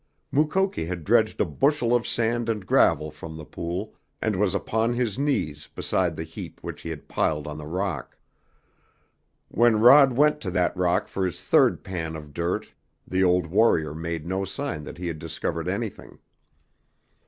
Mukoki had dredged a bushel of sand and gravel from the pool, and was upon his knees beside the heap which he had piled on the rock. When Rod went to that rock for his third pan of dirt the old warrior made no sign that he had discovered anything.